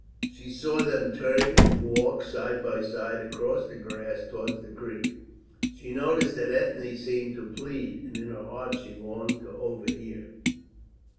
She saw them turn and walk side by side across the grass towards the creek. She noticed that Ethne seemed to plead, and in her heart she longed to overhear.